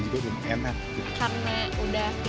nggak usah nunggu nunggu lagi